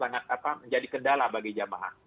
sangat menjadi kendala bagi jamaah